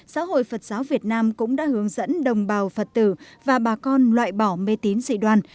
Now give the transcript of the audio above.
giáo hội phật giáo việt nam cũng đã hướng dẫn đồng bào phật tử và bà con loại bỏ mê tín dị đoàn